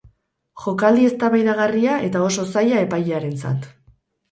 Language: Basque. Jokaldi eztabaidagarria eta oso zaila epailearentzat.